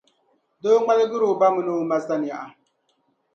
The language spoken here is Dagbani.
doo ŋmaligir’ o ba min’ o ma sania.